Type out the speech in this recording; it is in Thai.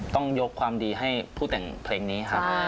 ต้องยกความดีให้ผู้แต่งเพลงนี้ครับ